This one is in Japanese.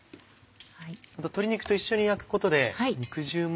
鶏肉と一緒に焼くことで肉汁も。